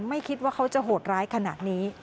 ไม่คิดว่าเขาจะโหดร้ายขนาดนี้